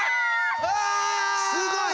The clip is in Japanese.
すごい！